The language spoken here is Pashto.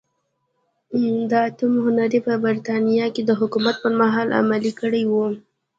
د اتم هنري په برېټانیا کې د حکومت پرمهال عملي کړې وه.